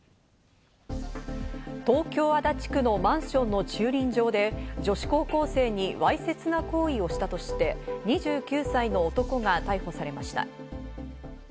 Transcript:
東京・足立区のマンションの駐輪場で女子高校生にわいせつな行為をしたとして２９歳の男が逮捕されました。